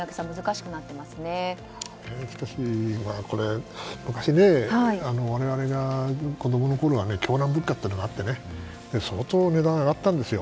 しかし、我々が子供のころは狂乱物価というのがあって相当値段が上がったんですよ。